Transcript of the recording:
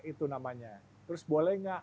itu namanya terus boleh nggak